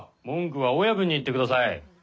文句は親分に言ってください。